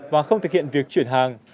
và không thực hiện việc chuyển hàng